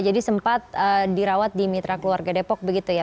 jadi sempat dirawat di mitra keluarga depok begitu ya